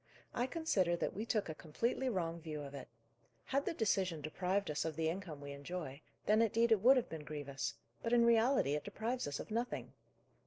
I consider that we took a completely wrong view of it. Had the decision deprived us of the income we enjoy, then indeed it would have been grievous; but in reality it deprives us of nothing.